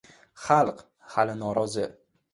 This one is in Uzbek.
Xalq hali norozi.